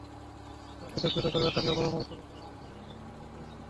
তাঁরা পৃথক পৃথক পরিবারে থাকলেও বাবা মোজাফ্ফর আহমদের জমিতে তামাক চাষ করতেন।